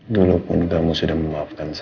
dulu pun kamu sudah memaafkan saya